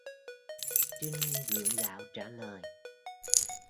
Tring gượng gạo trả lời